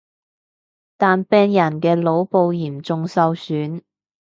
但病人嘅腦部嚴重受損